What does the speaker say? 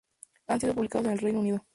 Han sido publicados en el Reino Unido.